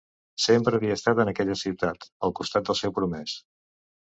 Sempre havia estat en aquella ciutat, al costat del seu promés.